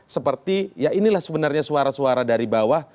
seperti ya inilah sebenarnya suara suara dari bawah